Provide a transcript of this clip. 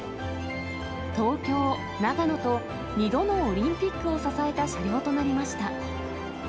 東京、長野と、２度のオリンピックを支えた車両となりました。